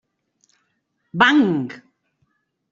Bang!